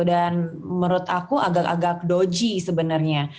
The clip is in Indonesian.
dan menurut aku agak agak doji sebenarnya